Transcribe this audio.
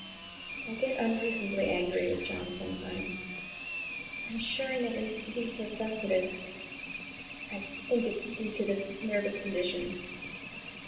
I get unreasonably angry with John sometimes. I'm sure I never used to be so sensitive. I think it is due to this nervous condition.